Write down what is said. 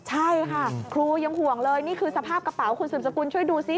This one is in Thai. ใช่ค่ะครูยังห่วงเลยนี่คือสภาพกระเป๋าคุณสืบสกุลช่วยดูซิ